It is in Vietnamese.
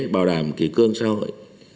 bảo đảm kỳ cương xã hội